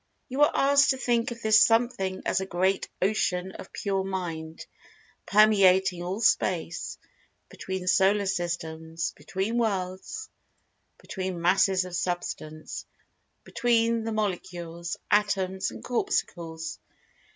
You are asked to think of this Something as a great Ocean of Pure Mind, permeating all Space—between Solar Systems—between Worlds—between Masses of Substance—between the Molecules, Atoms, and Corpuscles.